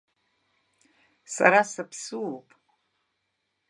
Сара саԥсуоуп…